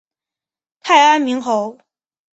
太安明侯